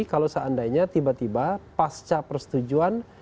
kalau seandainya tiba tiba pasca persetujuan